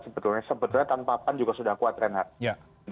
sebetulnya tanpa pan juga sudah kuat renhardt